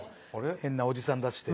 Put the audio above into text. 変なおじさん出して。